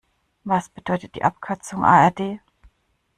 Was bedeutet die Abkürzung A-R-D?